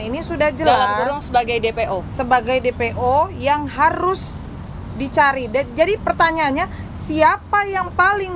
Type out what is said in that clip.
ini sudah jelas sebagai dpo sebagai dpo yang harus dicari jadi pertanyaannya siapa yang paling